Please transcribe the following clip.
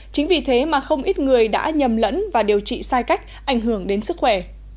chính vì thế mà không ít người đã nhầm lẫn và điều trị sai cách ảnh hưởng đến sức khỏe